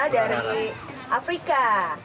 sulcata dari afrika